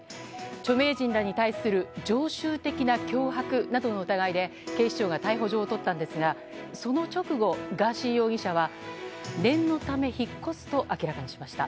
著名人らに対する常習的な脅迫などの疑いで警視庁が逮捕状を取ったんですがその直後ガーシー容疑者は念のため引っ越すと明らかにしました。